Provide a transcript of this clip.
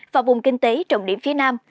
và vùng kinh tế trọng điểm phía nam